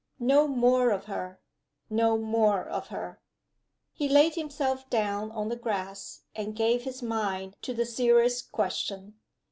No more of her! no more of her! He laid himself down on the grass, and gave his mind to the serious question.